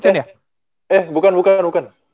eh bukan bukan bukan